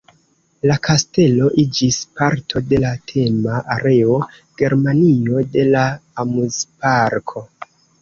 La kastelo iĝis parto de la tema areo "Germanio" de la amuzparko.